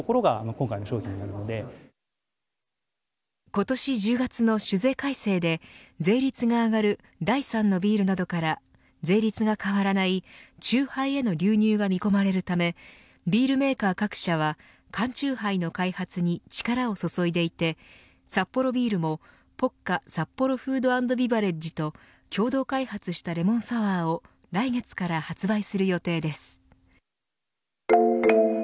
今年１０月の酒税改正で税率が上がる第３のビールなどから税率が変わらないチューハイへの流入が見込まれるためビールメーカー各社は缶チューハイの開発に力を注いでいてサッポロビールもポッカサッポロフード＆ビバレッジと協働開発したレモンサワ―を来月から発売する予定です。